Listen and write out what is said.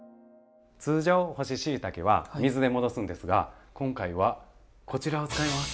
通常干ししいたけは水で戻すんですが今回はこちらを使います。